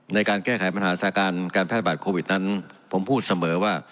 ในการแก้ไขปัญหาสถานการณ์การแพทย์บาดโควิดนั้นผมพูดเสมอว่า